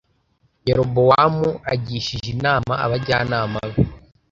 Yerobowamu agishije inama abajyanama be